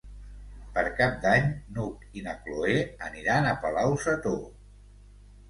Per Cap d'Any n'Hug i na Cloè aniran a Palau-sator.